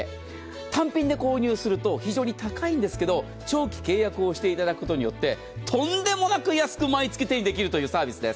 単品で購入すると非常に高いんですけれど、長期契約をしていただくことによってとんでもなく安く毎月手にできるというサービスです。